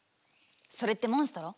それってモンストロ？